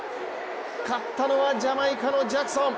勝ったのはジャマイカのジャクソン。